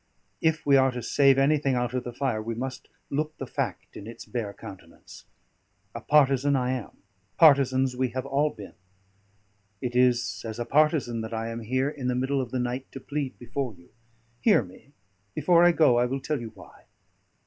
"If we are to save anything out of the fire, we must look the fact in its bare countenance. A partisan I am; partisans we have all been; it is as a partisan that I am here in the middle of the night to plead before you. Hear me; before I go, I will tell you why."